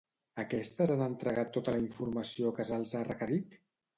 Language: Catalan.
Aquestes han entregat tota la informació que se'ls ha requerit?